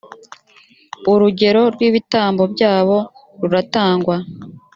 urugero rw ibitambo byabo ruratangwa